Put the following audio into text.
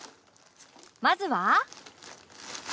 まずは